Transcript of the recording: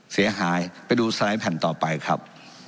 เสียหายไปดูสไลด์แผ่นต่อไปครับ